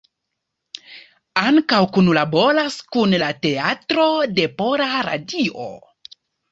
Ankaŭ kunlaboras kun la Teatro de Pola Radio.